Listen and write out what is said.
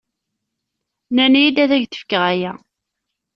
Nnan-iyi-d ad k-d-fkeɣ aya.